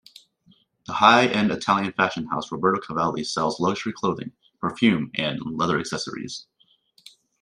The high-end Italian fashion house Roberto Cavalli sells luxury clothing, perfume and leather accessories.